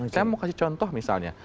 saya mau kasih contoh misalnya